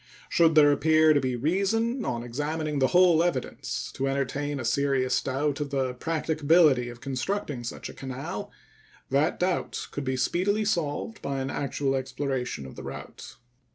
Should there appear to be reason, on examining the whole evidence, to entertain a serious doubt of the practicability of constructing such a canal, that doubt could be speedily solved by an actual exploration of the route.